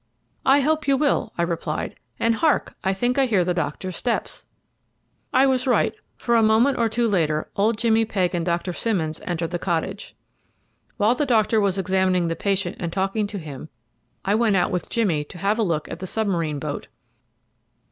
"I hope you will," I replied; "and hark! I think I hear the doctor's steps." I was right, for a moment or two later old Jimmy Pegg and Dr. Simmons entered the cottage. While the doctor was examining the patient and talking to him, I went out with Jimmy to have a look at the submarine boat.